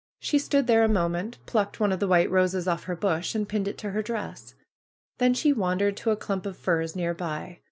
She stood there a moment, plucked one of the white roses off her bush, and pinned it to her dress. Then she wandered to a clump of firs near by.